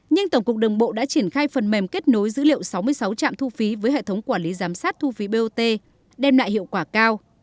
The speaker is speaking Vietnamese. nhưng tổng cục đường bộ đã triển khai phần mềm kết nối dữ liệu sáu mươi sáu trạm thu phí với hệ thống quản lý giám sát thu phí bot đem lại hiệu quả cao